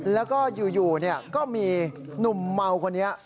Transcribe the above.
แล้วก็อยู่ก็มีหนุ่มเมาคนนี้